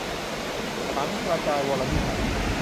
สังข์กระจายวรวิหาร